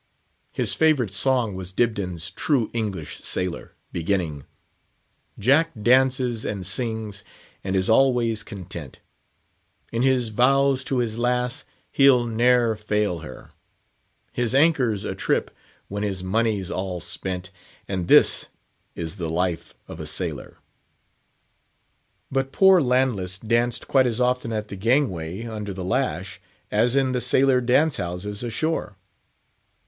His favourite song was "Dibdin's True English Sailor," beginning, "Jack dances and sings, and is always content, In his vows to his lass he'll ne'er fail her; His anchor's atrip when his money's all spent, And this is the life of a sailor." But poor Landless danced quite as often at the gangway, under the lash, as in the sailor dance houses ashore.